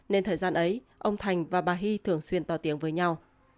nên thời gian ấy ông thành và bà hy thường xuyên to tiếng với nhau